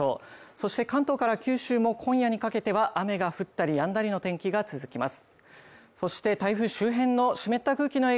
そして関東から九州も今夜にかけては雨が降ったり止んだりの天気が続きます。